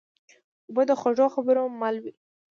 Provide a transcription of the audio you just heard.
اوبه د خوږو خبرو مل وي.